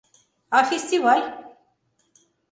А фестиваль?